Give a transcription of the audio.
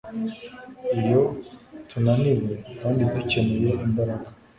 Iyo tunaniwe kandi dukeneye imbaraga